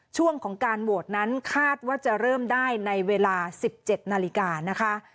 ช่วงของการโหวตนั้นคาดว่าจะเริ่มได้ในเวลา๑๗นาฬิกานะคะ